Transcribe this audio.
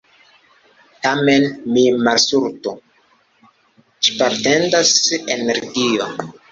Tamen mi malŝaltu, ŝparendas energio.